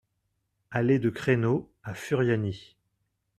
Allée de Creno à Furiani